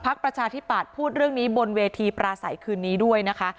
ประชาธิปัตย์พูดเรื่องนี้บนเวทีปราศัยคืนนี้ด้วยนะคะ